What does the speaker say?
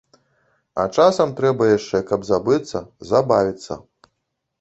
А часам трэба яшчэ, каб забыцца, забавіцца.